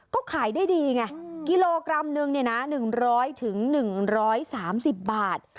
ก็ขายได้ดีไงกิโลกรัมนึง๑๐๐๑๓๐บาท